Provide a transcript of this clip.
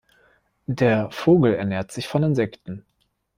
Der Vogel ernährt sich von Insekten.